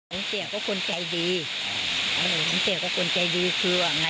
หลังเชี่ยก็คนใจดีคือไงก็จัก